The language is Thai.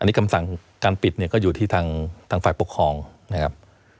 อันนี้คำสั่งการปิดเนี่ยก็อยู่ที่ทางฝ่ายปกครองนะครับ